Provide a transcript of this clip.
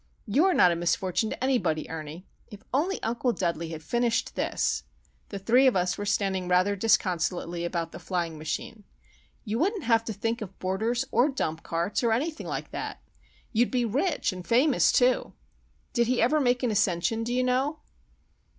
"You're not a misfortune to anybody, Ernie. If only Uncle Dudley had finished this,"—the three of us were standing rather disconsolately about the flying machine,—"you wouldn't have to think of boarders, or dump carts, or anything like that. You'd be rich, and famous, too. Did he ever make an ascension, do you know?"